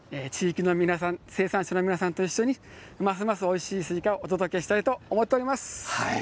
生産者の皆さんと一緒にますますおいしいスイカをお届けしたいと思っております。